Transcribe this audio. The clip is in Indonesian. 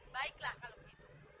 baiklah kalau begitu